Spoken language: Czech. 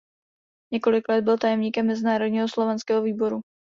Několik let byl tajemníkem "Mezinárodního slovanského výboru".